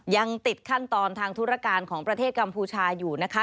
ยังติดขั้นตอนทางธุรการของประเทศกัมพูชาอยู่นะคะ